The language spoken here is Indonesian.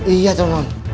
iya toh non